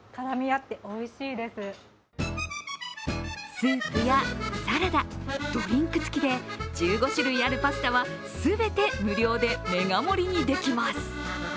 スープやサラダドリンク付きで１５種類あるパスタは全て無料でメガ盛りにできます。